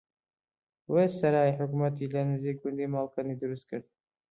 بۆیە سەرای حکومەتی لە نزیک گوندی مەڵکەندی دروستکرد